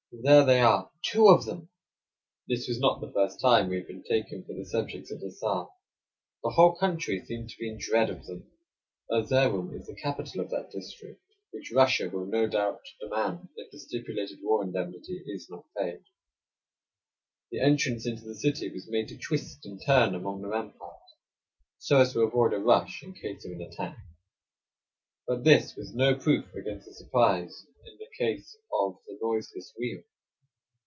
There they are! Two of them!" This was not the first time we had been taken for the subjects of the Czar; the whole country seemed to be in dread of them. Erzerum is the capital of that district which Russia will no doubt demand, if the stipulated war indemnity is not paid. The entrance into the city was made to twist and turn among the ramparts, so as to avoid a rush in case of an attack. But this was no proof against a surprise in the case of the noiseless wheel.